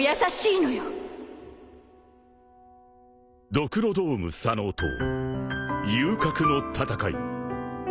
［ドクロドーム左脳塔遊郭の戦い］